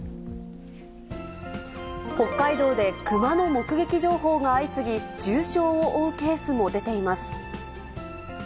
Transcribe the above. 北海道でクマの目撃情報が相次ぎ、重傷を負うケースも出ています。